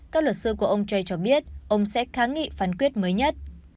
các luật sư của ông je cho biết ông sẽ kháng nghị phán quyết mới nhất